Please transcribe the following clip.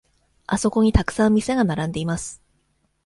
あそこにたくさん店が並んでいます。